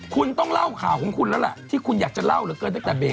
คุณต้องเล่าข่าวของคุณแล้วล่ะที่คุณอยากจะเล่าเหลือเกินตั้งแต่เบรก